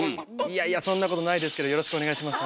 いやいやそんなことないですけどよろしくお願いします